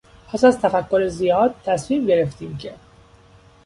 پس از تفکر زیاد تصمیم گرفتیم که...